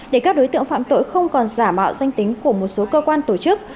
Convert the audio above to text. để các đối tượng phạm tội không còn giả mạo danh tính của một số cơ quan tổ chức